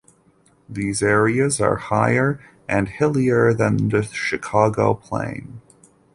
These areas are higher and hillier than the Chicago Plain.